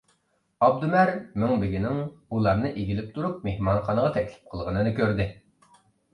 ئابدۇمەر مىڭبېگىنىڭ ئۇلارنى ئېگىلىپ تۇرۇپ مېھمانخانىغا تەكلىپ قىلغىنىنى كۆردى.